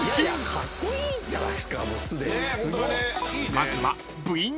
［まずは］